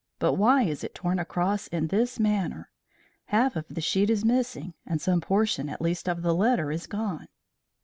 But why is it torn across in this manner? Half of the sheet is missing, and some portion at least of the letter is gone."